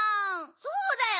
そうだよ！